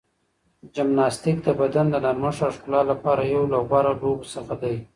جمناستیک د بدن د نرمښت او ښکلا لپاره یو له غوره لوبو څخه ده.